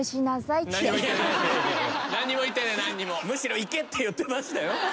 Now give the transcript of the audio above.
むしろ行けって言ってましたよ。